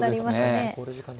そうですね。